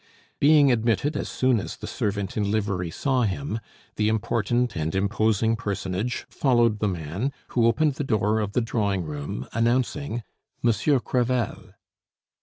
Being admitted as soon as the servant in livery saw him, the important and imposing personage followed the man, who opened the door of the drawing room, announcing: "Monsieur Crevel."